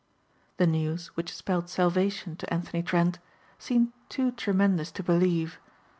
The news which spelled salvation to Anthony Trent seemed too tremendous to believe.